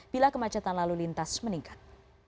bila kemacetan lalu lintas meningkat